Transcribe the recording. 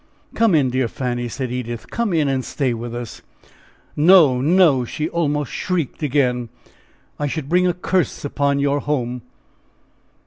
"Come in, dear Fanny," said Edith, "come in and stay with us." "No, no!" she almost shrieked again. "I should bring a curse upon your house!